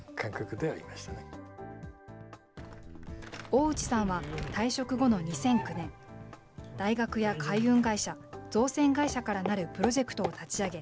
大内さんは、退職後の２００９年、大学や海運会社、造船会社からなるプロジェクトを立ち上げ、